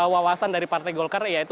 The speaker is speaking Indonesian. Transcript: wawasan dari partai golkar yaitu